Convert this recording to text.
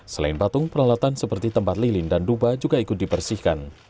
selain patung peralatan seperti tempat lilin dan duba juga ikut dibersihkan